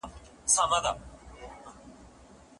د ارغنداب سیند څخه بغیر کرنه ناشونې ده.